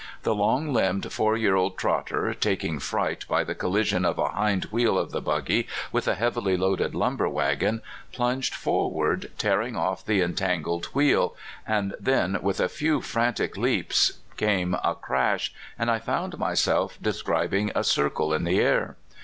The long limbed, four year old trotter, taking fright by the collision of a hind wheel of the buggy with a heavily loaded lumber wagon, plunged forward, tearing off the entangled wheel; and then with a few frantic leaps came a crash, and I found mj^self describing a circle in the air.